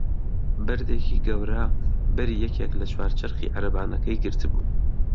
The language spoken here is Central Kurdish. بەردێکی گەورە بەری یەکێک لە چوار چەرخی عەرەبانەکەی گرتبوو.